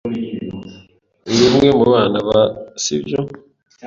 Uri umwe mu bana ba , si byo?